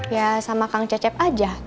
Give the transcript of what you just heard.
ya sama kang cecep aja